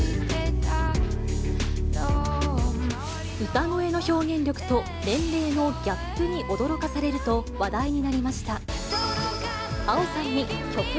歌声の表現力と、年齢のギャップに驚かされると話題になりました。